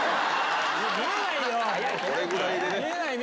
これぐらいでね。